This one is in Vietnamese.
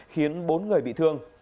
khiến bốn người bị thương